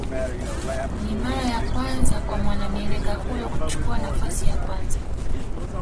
Ni mara ya kwanza kwa mwanamieleka huyo kuchukua nafasi ya kwanza